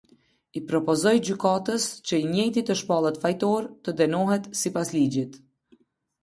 I propozoj gjykatës qe i njëjti të shpallet fajtor, të dënohet sipas ligjit.